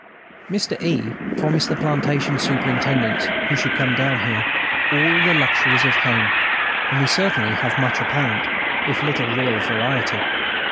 Mr. E. promised the plantation superintendents who should come down here "all the luxuries of home," and we certainly have much apparent, if little real variety.